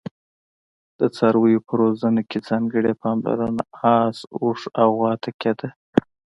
د څارویو په روزنه کې ځانګړي پاملرنه اس، اوښ او غوا ته کېده.